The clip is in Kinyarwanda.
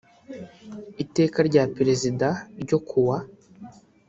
iteka rya perezida ryo kuwa